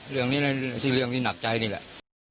เรื่องนี้ที่เรื่องที่หนักใจนี่แหละ